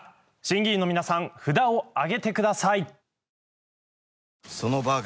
審議員の皆さん札を挙げてください。